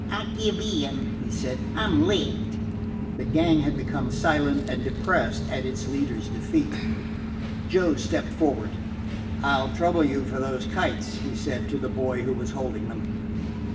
"I give in," he said. "I 'm licked." The gang had become silent and depressed at its leader's defeat. Joe stepped forward. "I 'll trouble you for those kites," he said to the boy who was holding them.